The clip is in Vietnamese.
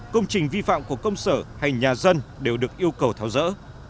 công trình vi phạm của công sở hay nhà dân đều được yêu cầu tháo rỡ